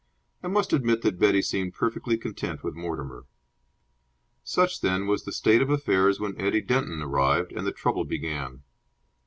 I must admit that Betty seemed perfectly content with Mortimer. Such, then, was the state of affairs when Eddie Denton arrived, and the trouble began.